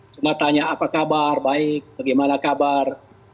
cuma tanya apa kabar baik bagaimana kabar